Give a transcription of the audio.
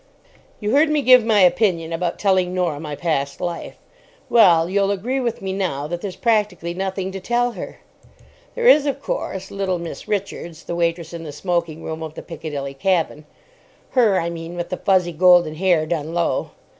You heard me give my opinion about telling Norah my past life. Well, you'll agree with me now that there's practically nothing to tell her. There is, of course, little Miss Richards, the waitress in the smoking room of the Piccadilly Cabin. Her, I mean, with the fuzzy golden hair done low.